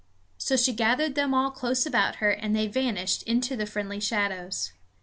So she gathered them all close about her, and they vanished into the friendly shadows.